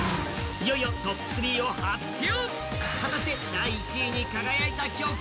いよいよトップ３を発表。